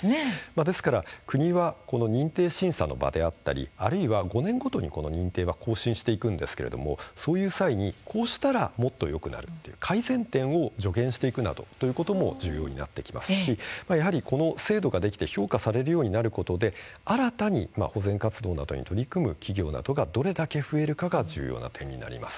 ですから国は認定審査の場であったりあるいは５年ごとの認定は更新していくんですけれどもそういう際にこうしたらもっとよくなるという改善点も助言していくなどということも重要になってきますしやはり制度ができて評価がされることで新たに保全活動などに取り組む企業がどれだけ増えるかが重要な点になります。